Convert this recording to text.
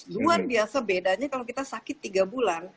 luar biasa bedanya kalau kita sakit tiga bulan